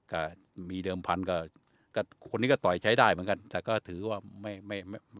ก็มีเดิมพันธุ์ก็คนนี้ก็ต่อยใช้ได้เหมือนกันแต่ก็ถือว่าไม่ไม่